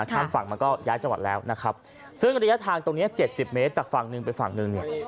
ข้ามฝั่งมันก็ย้ายจังหวัดแล้วนะครับซึ่งระยะทางตรงเนี้ยเจ็ดสิบเมตรจากฝั่งหนึ่งไปฝั่งหนึ่งเนี่ย